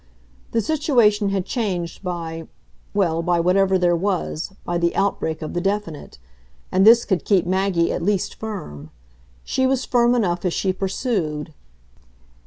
The situation had changed by well, by whatever there was, by the outbreak of the definite; and this could keep Maggie at least firm. She was firm enough as she pursued.